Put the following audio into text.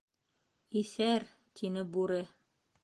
— Иҫәр! — тине бүре.